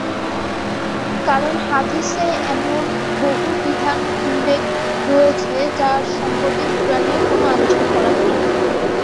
কারণ, হাদিসে এমন বহু বিধান উল্লেখ করা হয়েছে, যা সম্পর্কে কুরআনে কোন আলোচনা করা হয়নি।